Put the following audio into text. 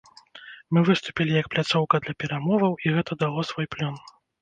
Мы выступілі як пляцоўка для перамоваў, і гэта дало свой плён.